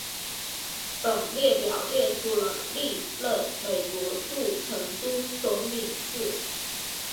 本列表列出了历任美国驻成都总领事。